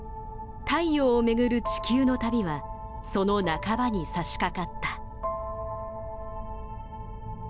太陽を巡る地球の旅はその半ばにさしかかった。